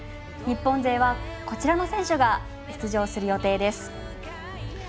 日本勢はこちらの選手が出場する予定です。